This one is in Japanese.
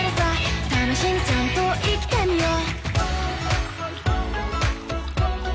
「試しにちゃんと生きてみよう」